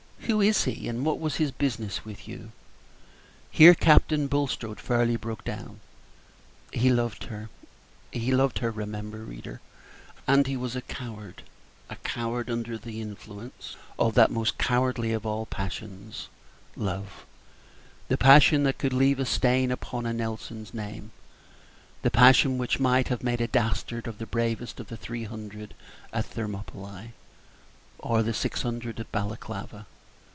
Who is he, and what was his business with you?" Here Captain Bulstrode fairly broke down. He loved her, reader, he loved her, remember, and he was a coward, a coward under the influence of that most cowardly of all passions, LOVE the passion that could leave a stain upon a Nelson's name; the passion which might have made a dastard of the bravest of the three hundred at Thermopylæ, or the six hundred at Balaklava.